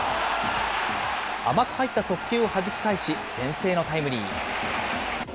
甘く入った速球をはじき返し、先制のタイムリー。